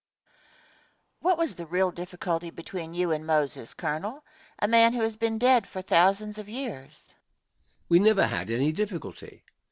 What was the real difficulty between you and Moses, Colonel, a man who has been dead for thousands of years? Answer. We never had any difficulty.